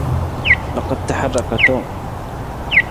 لقد تحرك توم.